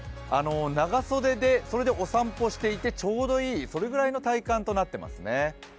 長袖でお散歩していてちょうどいい、それぐらいの体感となっています。